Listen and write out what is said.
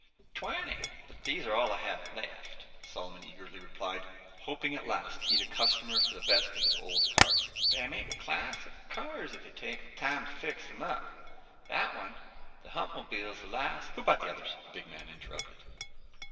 "Twenty; but these are all I have left," Solomon eagerly replied, hoping at last he'd a customer for the best of his old cars. "They make classic cars, if you'd take the time to fix them up. That one, the Hupmobile, is the last " "Who bought the others?" the big man interrupted.